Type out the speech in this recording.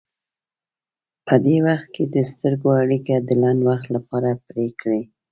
په دې وخت کې د سترګو اړیکه د لنډ وخت لپاره پرې کړئ.